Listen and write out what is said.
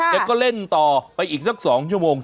แล้วก็เล่นต่อไปอีกสัก๒ชั่วโมง